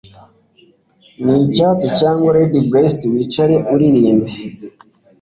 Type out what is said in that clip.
nicyatsi, cyangwa redbreast wicare uririmbe